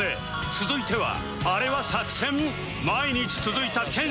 続いては